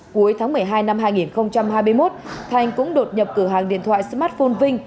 cuối tháng một mươi hai năm hai nghìn hai mươi một thành cũng đột nhập cửa hàng điện thoại smartphone ving